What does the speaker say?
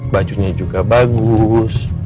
bajunya juga bagus